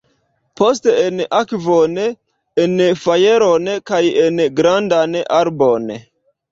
Poste en akvon, en fajron kaj en grandan arbon.